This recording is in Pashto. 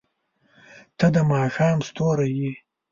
• ته د ماښام ستوری یې.